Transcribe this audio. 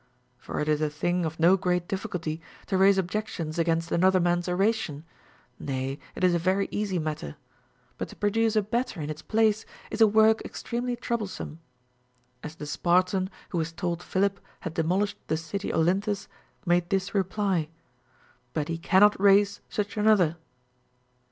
For it is a thing of no great difficulty to raise objections against an other man's oration, — nay, it is a very easy matter, — but to produce a better in its place is a work extremely troublesome ; as the Spartan, Λνΐιο was told Philip had demolished the city Olynthus, made this reply, But he cannot raise such another.